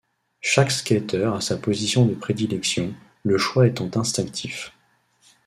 Chaque skateur à sa position de prédilection, le choix étant instinctif.